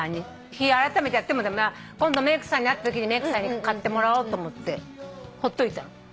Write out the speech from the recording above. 日改めてやっても駄目で今度メークさんに会ったときにメークさんに買ってもらおうと思ってほっといたの。